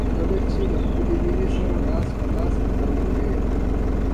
کله چې د خپلې مینې سره لاس په لاس قدم ووهئ.